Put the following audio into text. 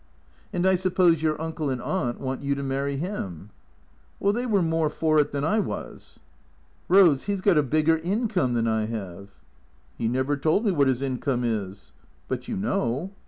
" And I suppose your uncle and aunt want you to marry him ?"" They were more for it than I was." " Rose — he 's got a bigger income than I have." " He never told me what his income is." " But you know